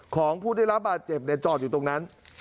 ของผู้ได้รับบาดเจ็บจอดอยู่ตรงนั้น